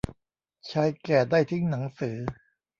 ชายแก่ได้ทิ้งหนังสือ